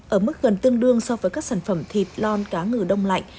ở mức gần tương đương so với các sản phẩm thịt lon cá ngừ đông lạnh